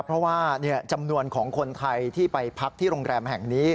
เพราะว่าจำนวนของคนไทยที่ไปพักที่โรงแรมแห่งนี้